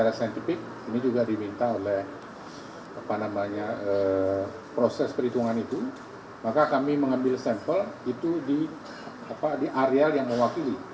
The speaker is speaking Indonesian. ya jadi sudah cukup ya